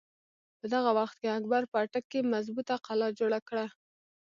په دغه وخت کښې اکبر په اټک کښې مظبوطه قلا جوړه کړه۔